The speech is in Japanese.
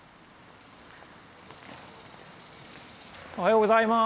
おはようございます。